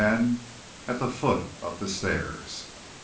AT THE FOOT OF THE STAIRS.